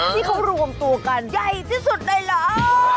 ที่เขารวมตัวกันใหญ่ที่สุดได้แล้ว